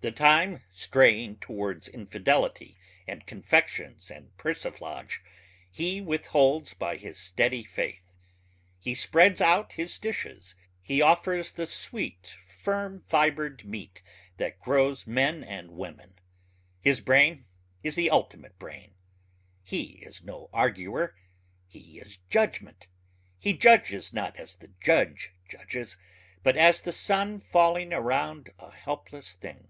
The time straying towards infidelity and confections and persiflage he withholds by his steady faith ... he spreads out his dishes ... he offers the sweet firmfibred meat that grows men and women. His brain is the ultimate brain. He is no arguer ... he is judgment. He judges not as the judge judges but as the sun falling around a helpless thing.